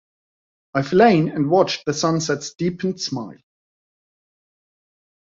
I've lain and watched the sunset's deepened smile.